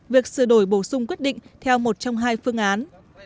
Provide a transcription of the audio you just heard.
việc sửa đổi bổ sung quyết định theo một trong hai phương án